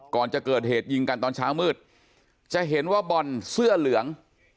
ก่อนจะเกิดเหตุยิงกันตอนเช้ามืดจะเห็นว่าบอลเสื้อเหลือง